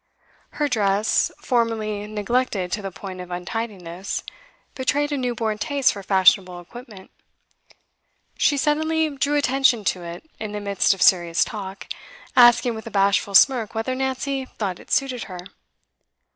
Her dress, formerly neglected to the point of untidiness, betrayed a new born taste for fashionable equipment; she suddenly drew attention to it in the midst of serious talk, asking with a bashful smirk whether Nancy thought it suited her.